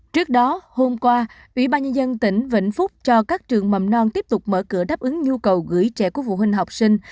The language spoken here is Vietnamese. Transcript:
trước đó hôm qua ủy ban nhân dân tỉnh vĩnh phúc cho các trường mầm non tiếp tục mở cửa đáp ứng nhu cầu gửi trẻ của phụ huynh học sinh